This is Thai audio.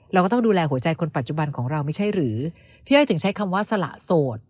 เราก็ต้องดูแลหัวใจคนปัจจุบันของเราไม่ใช่หรือพี่อ้อยถึงใช้คำว่าสละโสด